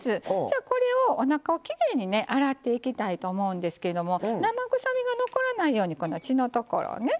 これをおなかをきれいにね洗っていきたいと思うんですが生臭みが残らないように血のところをね。